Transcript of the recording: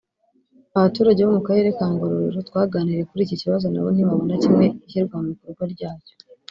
Abaturage bo mu karere ka Ngororero twaganiriye kuri iki kibazo nabo ntibabona kimwe ishyirwa mu bikorwa ryacyo